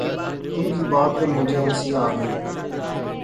ان کی بات پر مجھے ہنسی آ گئی